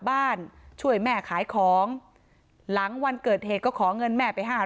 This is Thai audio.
บ้านช่วยแม่ขายของหลังวันเกิดเหตุก็ขอเงินแม่ไปห้า